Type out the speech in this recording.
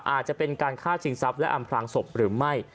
อาจจะเป็นการฆ่าชิงทรัพย์และอำพลางศพหรือไม่